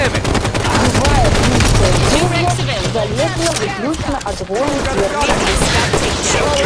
Любая іншая служба залежала выключна ад волі герцага.